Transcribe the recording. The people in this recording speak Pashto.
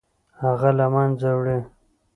هغه له منځه وړي.